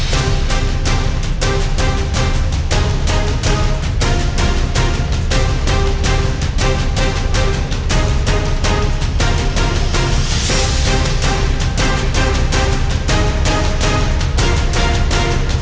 สวัสดีครับ